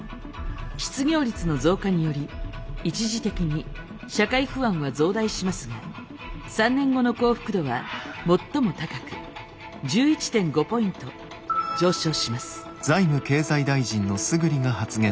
失業率の増加により一時的に社会不安は増大しますが３年後の幸福度は最も高く１１．５ポイント上昇します。